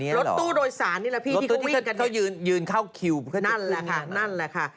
รถตู้โดยสารนี่แหละพี่ที่เขาวิ่งกันเนี่ยนั่นแหละค่ะ